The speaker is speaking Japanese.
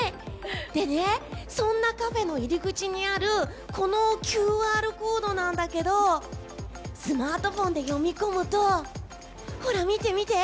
でね、そんなカフェの入り口にあるこのＱＲコードなんだけどスマートフォンで読み込むとほら、見て、見て。